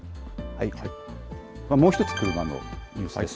もう１つ車のニュースです。